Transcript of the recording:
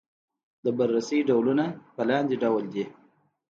د بررسۍ ډولونه په لاندې ډول دي.